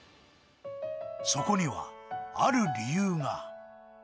そこには、ある理由が。